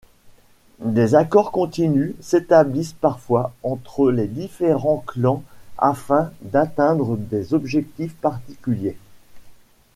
Des accords continus s'établissent parfois entre les différents clans afin d'atteindre des objectifs particuliers.